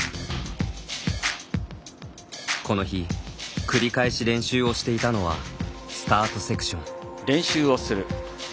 この日、繰り返し練習をしていたのはスタートセクション。